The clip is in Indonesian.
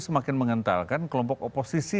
semakin mengentalkan kelompok oposisi